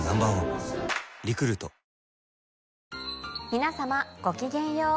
皆さまごきげんよう。